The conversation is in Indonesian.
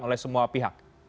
oleh semua pihak